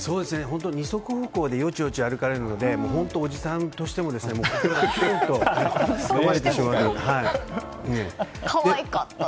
二足方向でよちよち歩かれるので本当、おじさんとしても心がキュン！とつかまれてしまうような。